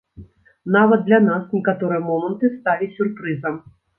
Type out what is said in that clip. Нават для нас некаторыя моманты сталі сюрпрызам.